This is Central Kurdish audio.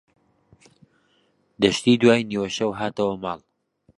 دەشتی دوای نیوەشەو هاتەوە ماڵ.